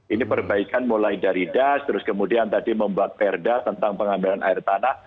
ini perbaikan mulai dari das terus kemudian tadi membuat perda tentang pengambilan air tanah